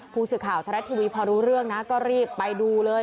ผู้สื่อข่าวทรัฐทีวีพอรู้เรื่องนะก็รีบไปดูเลย